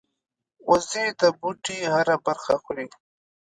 وزې د بوټي هره برخه خوري